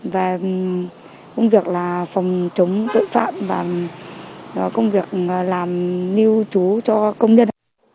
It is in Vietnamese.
về công việc là phòng chống tội phạm và công việc làm lưu trú cho công nhân